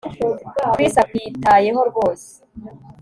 Chris akwitayeho rwose